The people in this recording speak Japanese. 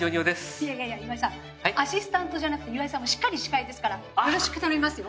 いやいや岩井さんアシスタントじゃなくて岩井さんもしっかり司会ですからよろしく頼みますよ。